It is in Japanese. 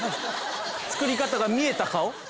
作り方が見えた顔？